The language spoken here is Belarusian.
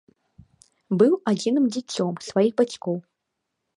Быў адзіным дзіцём сваіх бацькоў.